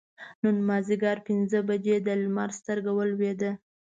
نن مازدیګر پینځه بجې د لمر سترګه ولوېده.